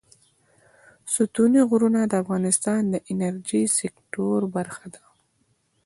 ستوني غرونه د افغانستان د انرژۍ سکتور برخه ده.